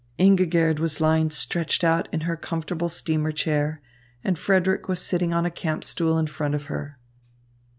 Ingigerd was lying stretched out in her comfortable steamer chair, and Frederick was sitting on a camp stool in front of her.